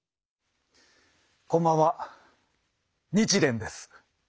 こんばんは日蓮です。